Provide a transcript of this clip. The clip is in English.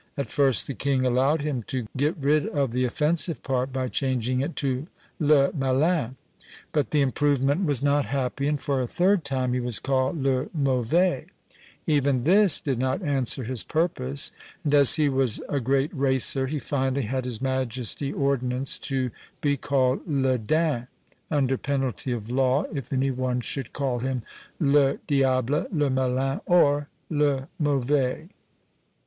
At first the king allowed him to got rid of the offensive part by changing it to Le Malin; but the improvement was not happy, and for a third time he was called Le Mauvais. Even this did not answer his purpose; and as he was a great racer, he finally had his majesty's ordinance to be called Le Dain, under penalty of law if any one should call him Le Diable, Le Malin, or Le Mauvais.